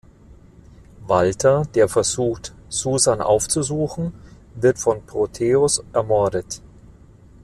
Walter, der versucht, Susan aufzusuchen, wird von Proteus ermordet.